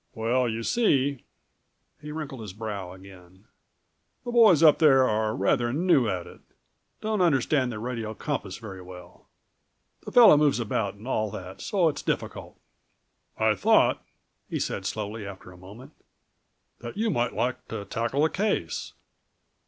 "Well, you see," he wrinkled his brow again, "the boys up there are rather new at it. Don't understand the radio compass very well. The fellow moves about and all that, so it's difficult. "I thought," he said slowly after a moment, "that you might like to tackle the case."